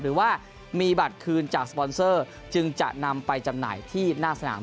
หรือว่ามีบัตรคืนจากสปอนเซอร์จึงจะนำไปจำหน่ายที่หน้าสนาม